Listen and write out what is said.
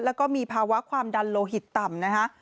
แล้วก็มีภาวะความดันโลหิตต่ำนะฮะ